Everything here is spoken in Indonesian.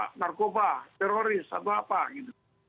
tapi bagian polisi masyarakat palmas ada bin masnoken itu nggak menarik